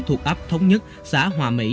thuộc áp thống nhất xã hòa mỹ